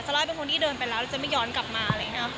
ซัลล่าก็เป็นคนที่เดินไปแล้วจะไม่ย้อนกลับมา